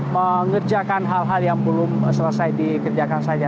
mengerjakan hal hal yang belum selesai dikerjakan saja